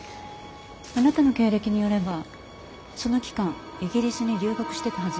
あなたの経歴によればその期間イギリスに留学してたはずよね？